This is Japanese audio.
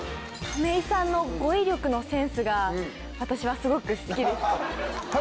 亀井さんの語彙力のセンスが私はすごく好きです。